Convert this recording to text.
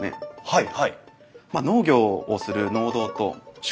はい。